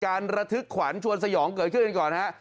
การระทึกขวานชวนสยองเกิดขึ้นก่อนครับ